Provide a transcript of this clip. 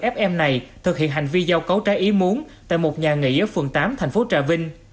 ép em này thực hiện hành vi giao cấu trái ý muốn tại một nhà nghỉ ở phường tám thành phố trà vinh